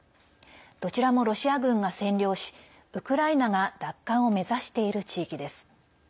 どちらもロシア軍が占領しウクライナが奪還を目指している地域です。